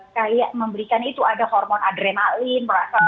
kayak memberikan itu ada hormon adrenalin